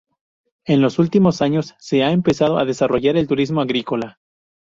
En los últimos años se ha empezado a desarrollar el turismo agrícola.